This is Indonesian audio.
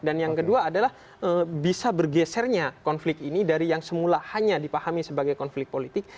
dan yang kedua adalah bisa bergesernya konflik ini dari yang semula hanya dipahami sebagai konflik politik